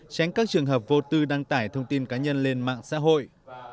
tránh các trường hợp vô tư đăng tải thông tin cá nhân lên mạng xã hội